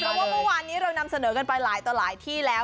เพราะว่าเมื่อวานนี้เรานำเสนอกันไปหลายต่อหลายที่แล้ว